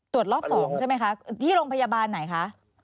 รอบ๒ใช่ไหมคะที่โรงพยาบาลไหนคะ